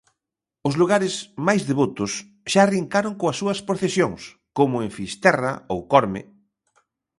Os lugares máis devotos xa arrincaron coas súas procesións, como en Fisterra ou Corme.